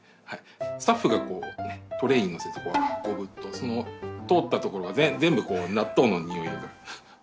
スタッフがトレーにのせて運ぶとその通った所が全部納豆のにおいが。